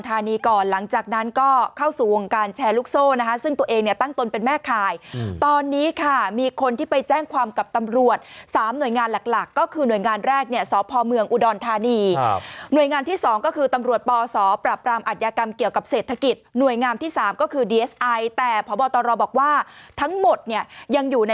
ไปฟังเสียงของเจ้าของบ้านเช่าที่แม่มณีไปเช่านะฮะ